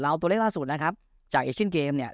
เอาตัวเลขล่าสุดนะครับจากเอเชียนเกมเนี่ย